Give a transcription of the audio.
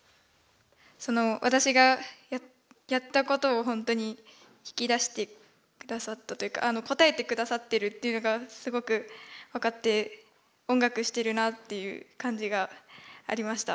私がやったことを本当に引き出して下さったというか応えて下さってるっていうのがすごく分かって音楽してるなっていう感じがありました。